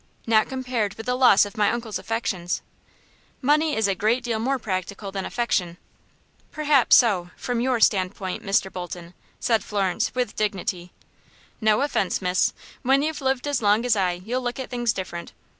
"Not compared with the loss of my uncle's affections." "Money is a great deal more practical than affection." "Perhaps so, from your standpoint, Mr. Bolton," said Florence, with dignity. "No offense, miss. When you've lived as long as I, you'll look at things different.